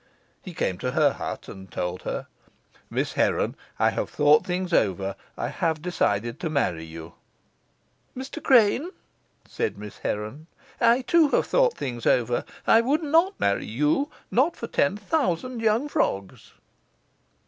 He came to her hut, and told her, "Miss Heron, I have thought things over. I have decided to marry you." "Mr. Crane," said Miss Heron, "I, too, have thought things over. I would not marry you, not for ten thousand young frogs."